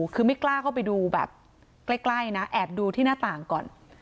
คือไม่กล้าเข้าไปดูแบบใกล้นะแอบดูที่หน้าต่างก่อน